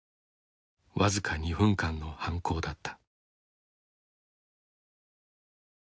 僅か２分間の犯行だった。